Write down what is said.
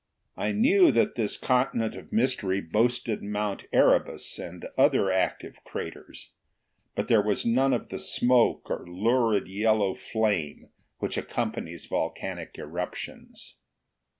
I knew that this continent of mystery boasted Mt. Erebus and other active craters. But there was none of the smoke or lurid yellow flame which accompanies volcanic eruptions.